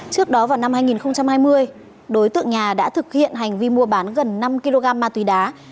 trước đó vào năm hai nghìn hai mươi đối tượng nhà đã thực hiện hành vi mua bán gần năm kg ma túy đá